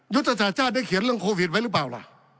ยุทธศาสตร์ชาติได้เขียนเรื่องโควิดไว้หรือเปล่าล่ะ